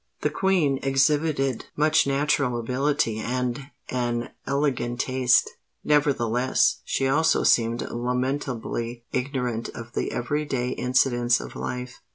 The Queen exhibited much natural ability and an elegant taste: nevertheless, she also seemed lamentably ignorant of the every day incidents of life.